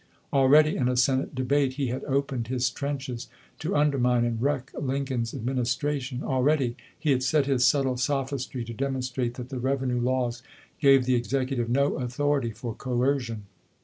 Already in a Senate debate he had opened his trenches to undermine and wreck Lincoln's Administration. Already he had set his subtle sophistry to demonstrate that the revenue laws gave the Executive no authority for coercion.